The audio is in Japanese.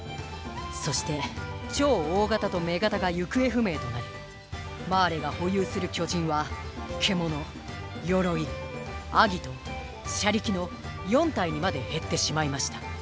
そして「超大型」と「女型」が行方不明となりマーレが保有する巨人は４体にまで減ってしまいました。